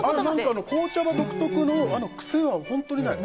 紅茶の独特の癖が本当にない。